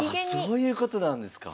あそういうことなんですか。